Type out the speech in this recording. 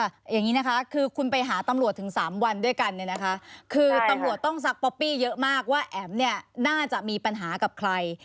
อย่างนี้นะคะคือคุณไปหาตำรวจถึง๓วันด้วยกันเนี่ยนะคะคือตำรวจต้องซักป๊อปปี้เยอะมากว่าแอ๋มเนี่ยน่าจะมีปัญหากับใคร